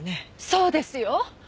そうですよ。